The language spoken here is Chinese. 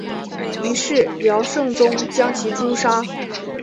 于是辽圣宗将其诛杀。